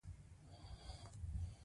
ګلداد یې په خبرو کې ور ولوېد.